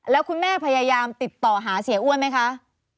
แล้วคุณแม่พยายามติดต่อหาเสียอ้วนไหมคะ